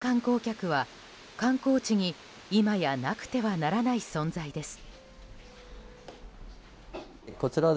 外国人観光客は、観光地に今やなくてはならない存在です。